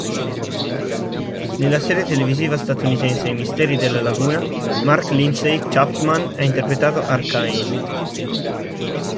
Nella serie televisiva statunitense "I misteri della laguna" Mark Lindsay Chapman ha interpretato Arcane.